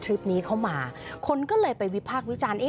คลิปนี้เข้ามาคนก็เลยไปวิพากษ์วิจารณ์